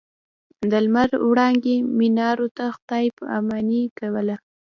د لمر وړانګې منارو ته خداې پا ماني کوله.